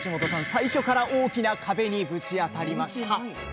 最初から大きな壁にぶち当たりました。